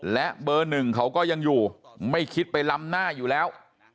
และเบอร์หนึ่งเขาก็ยังอยู่ไม่คิดไปล้ำหน้าอยู่แล้ว